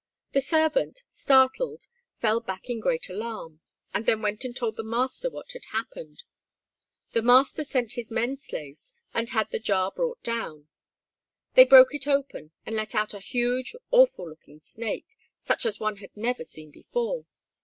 The servant, startled, fell back in great alarm, and then went and told the master what had happened. The master sent his men slaves and had the jar brought down. They broke it open and let out a huge, awful looking snake, such as one had never seen before.